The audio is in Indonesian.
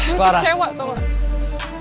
gue tercewa tau gak